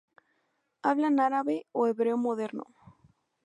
Hablan árabe o hebreo moderno.